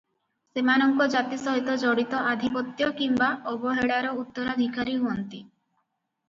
ସେମାନଙ୍କ ଜାତି ସହିତ ଜଡ଼ିତ ଆଧିପତ୍ୟ କିମ୍ବା ଅବହେଳାର ଉତ୍ତରାଧିକାରୀ ହୁଅନ୍ତି ।